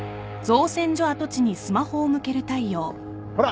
ほら。